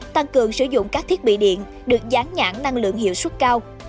tăng cường sử dụng các thiết bị điện được gián nhãn năng lượng hiệu suất cao